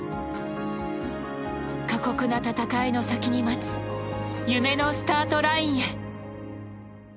過酷な戦いの先に待つ、夢のスタートラインへ。